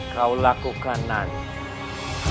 kau lakukan nanti